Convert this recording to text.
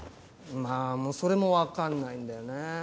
まあそれもわかんないんだよね。